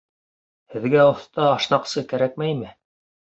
Һеҙгә оҫта ашнаҡсы кәрәкмәйме?